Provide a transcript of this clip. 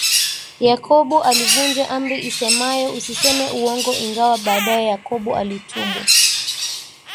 Yakobo alivunja Amri isemayo Usiseme Uongo ingawa baadaye yakobo alitubu